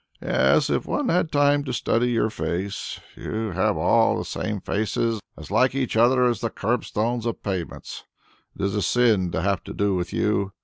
"Yes, if one had time to study your face! You have all the same faces, as like each other as the curbstones of pavements. It is a sin to have to do with you.